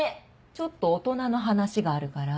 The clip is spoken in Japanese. ちょっと大人の話があるから。